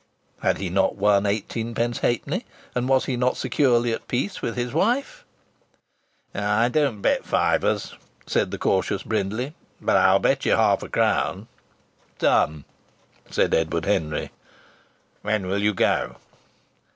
Had he not won eighteenpence halfpenny, and was he not securely at peace with his wife? "I don't bet fivers," said the cautious Brindley. "But I'll bet you half a crown." "Done!" said Edward Henry. "When will you go?"